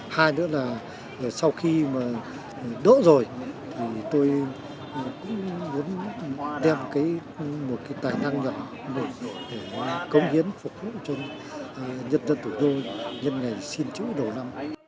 hai nữa là sau khi mà đỡ rồi thì tôi cũng muốn đem một cái tài năng nhỏ để cống hiến phục vụ cho nhân dân thủ đô nhân ngày xin chữ đầu năm